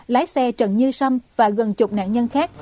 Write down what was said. lái xe trần như sâm và gần chục nạn nhân khác